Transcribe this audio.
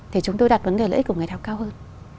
thì chúng tôi đặt vấn đề lợi ích của người học cao hơn